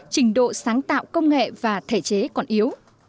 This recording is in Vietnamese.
trình độ sáng tạo công nghệ và thể chế còn yếu